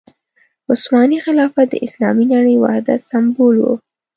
عثماني خلافت د اسلامي نړۍ د وحدت سمبول وو.